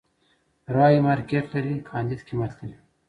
رايې مارکېټ لري، کانديد قيمت لري.